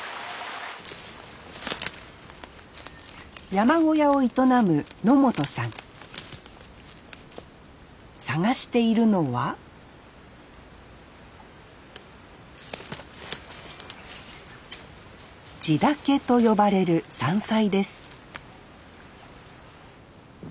山小屋を営む野本さん探しているのはジダケと呼ばれる山菜です